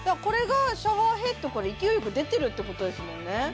これがシャワーヘッドから勢いよく出てるってことですもんね